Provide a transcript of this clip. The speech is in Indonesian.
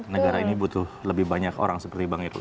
negara ini butuh lebih banyak orang seperti bang eko